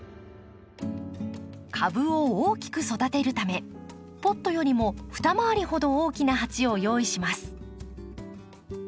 株を大きく育てるためポットよりも二回りほど大きな鉢を用意します。